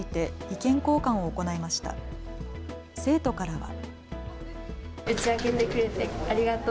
生徒からは。